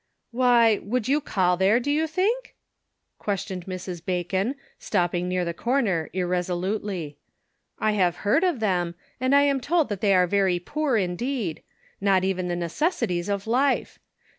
" Why, would you call there, do you think ?" questioned Mrs. Bacon, stopping near the cor ner, irresolutely. " I have heard of them ; and I am told that they are very poor, indeed. Not even the necessities of life!